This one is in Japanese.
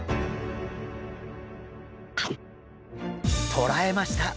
捕らえました。